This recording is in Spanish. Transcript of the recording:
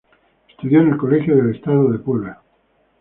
Estudió en el Colegio del Estado de Puebla.